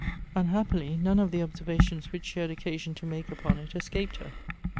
Unhappily, none of the observations which she had occa sion to make upon it escaped her.